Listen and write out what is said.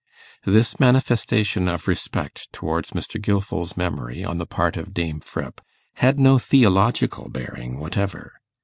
This manifestation of respect towards Mr. Gilfil's memory on the part of Dame Fripp had no theological bearing whatever.